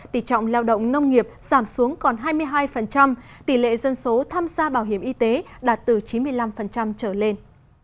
tỷ trọng lao động nông nghiệp giảm xuống còn hai mươi hai tỷ lệ dân số tham gia bảo hiểm y tế đạt từ chín mươi năm trở lên